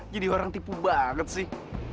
jadi orang tipu banget sih